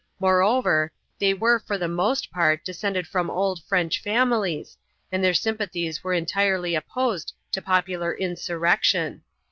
Moreover, they were for the most part descended from old French families, and their sympathies were entirely opposed to popular insurrection.